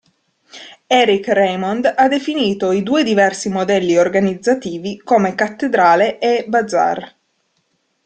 Eric Raymond ha definito i due diversi modelli organizzativi come cattedrale e bazar.